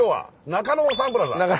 中野サンプラザ。